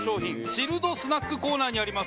チルドスナックコーナーにあります。